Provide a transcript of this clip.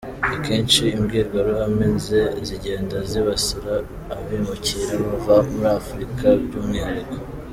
Akenshi imbwirwaruhame ze, zigenda zibasira abimukira bava muri Afurika by’umwihariko.